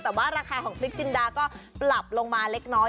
แต่ว่าราคาของพริกจินดาก็ปรับลงมาเล็กน้อย